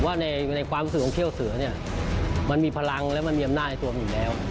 ว่าในความรู้สึกของเขี้ยวเสือเนี่ยมันมีพลังและมันมีอำนาจในตัวมันอยู่แล้ว